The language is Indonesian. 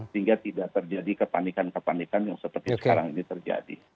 sehingga tidak terjadi kepanikan kepanikan yang seperti sekarang ini terjadi